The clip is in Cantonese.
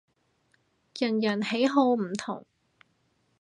人人喜好唔同